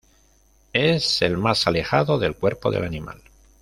Es el más alejado del cuerpo del animal.